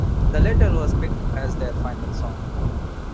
The latter was picked as their final song.